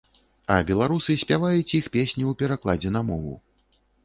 А беларусы спяваюць іх песню ў перакладзе на мову.